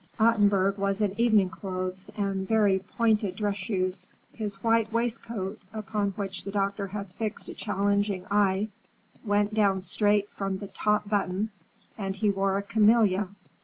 Ottenburg was in evening clothes and very pointed dress shoes. His white waistcoat, upon which the doctor had fixed a challenging eye, went down straight from the top button, and he wore a camelia.